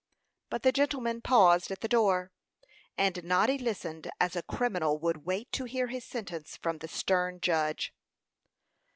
But the gentlemen paused at the door, and Noddy listened as a criminal would wait to hear his sentence from the stern judge.